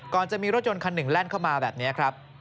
ก่อนจะมีรถยนต์คันหนึ่งแล่นเข้ามาแบบนี้ครับ